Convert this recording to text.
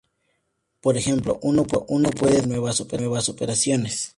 Por ejemplo: Uno puede definir nuevas operaciones.